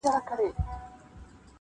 زه خبر سوم -